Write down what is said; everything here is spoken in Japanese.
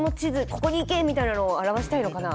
「ここに行け」みたいなのを表したいのかな？